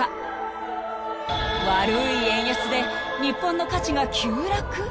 ［悪い円安で日本の価値が急落？］